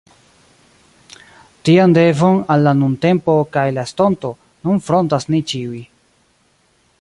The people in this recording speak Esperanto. Tian devon, al la nuntempo kaj la estonto, nun frontas ni ĉiuj.